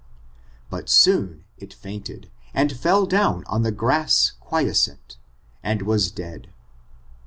But soon it fainted, and fell down on the grass qui* escent, and was dead.